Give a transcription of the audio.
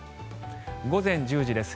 午前１０時です。